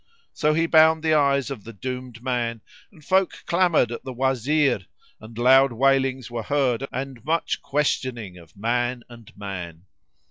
So he bound the eyes of the doomed man and folk clamoured at the Wazir and loud wailings were heard and much questioning of man and man.